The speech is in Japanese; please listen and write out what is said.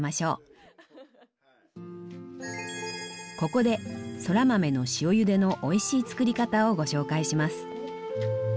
ここでそら豆の塩ゆでのおいしい作り方をご紹介します。